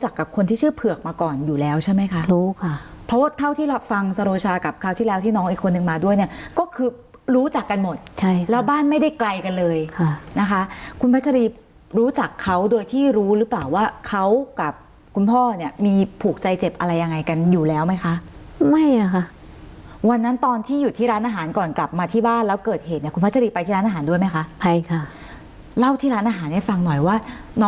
คือรู้จักกันหมดใช่แล้วบ้านไม่ได้ไกลกันเลยค่ะนะคะคุณพัชรีรู้จักเขาโดยที่รู้หรือเปล่าว่าเขากับคุณพ่อเนี้ยมีผูกใจเจ็บอะไรยังไงกันอยู่แล้วไหมคะไม่อะค่ะวันนั้นตอนที่อยู่ที่ร้านอาหารก่อนกลับมาที่บ้านแล้วเกิดเหตุเนี้ยคุณพัชรีไปที่ร้านอาหารด้วยไหมคะไปค่ะเล่าที่ร้านอาหารให้ฟังหน่